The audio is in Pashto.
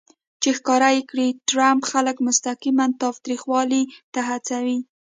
چې ښکاره کړي ټرمپ خلک مستقیماً تاوتریخوالي ته هڅوي